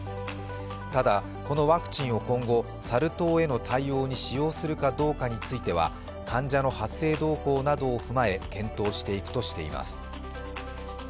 ただこのワクチンを今後サル痘への対応に使用するかどうかについては患者の発生動向などを踏まえ、検討していくとしています。